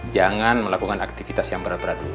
jangan melakukan aktivitas yang berat berat